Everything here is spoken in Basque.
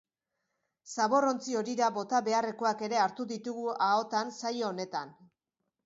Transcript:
Zaborrontzi horira bota beharrekoak ere hartu ditugu ahotan saio honetan.